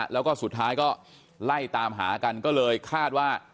แล้วก็สุดท้ายก็ไล่ตามหากันก็เลยคาดว่า